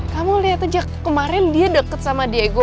kamu lihat aja kemarin dia deket sama diego